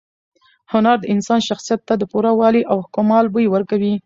هنر د انسان شخصیت ته د پوره والي او کمال بوی ورکوي.